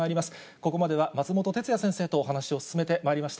ここまでは松本哲哉先生とお話を進めてまいりました。